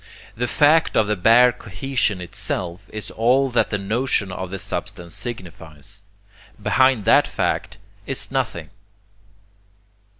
The fact of the bare cohesion itself is all that the notion of the substance signifies. Behind that fact is nothing.